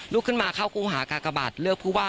ลุกขึ้นมาเข้าหากากบัตรเลือกภูว่า